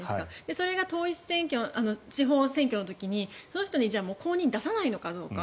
それが統一地方選挙の時にその人に公認を出さないのかどうか。